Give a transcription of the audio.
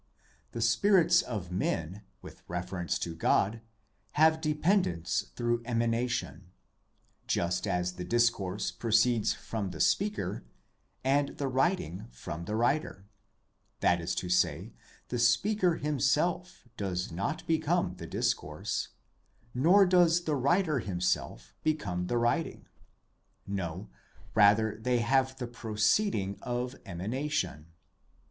The spirits of men, with reference to God, have dependence through emanation; just as the discourse proceeds from the speaker and the writing from the writer ; that is to say, the speaker himself does not become the discourse, nor does the writer himself become the writing ; no, rather they have the proceeding of emana tion.